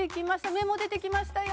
目も出てきましたよ」